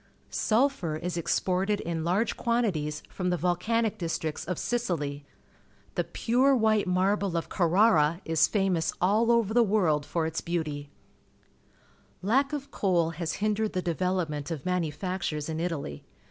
Sulphur is exported in large quantities from the volcanic districts of Sicily. The pure wliite marble of Carrara is famous aU over the world for its beautj\ Lack of coal has hindered the de^'elop ment of manufactures in Italy.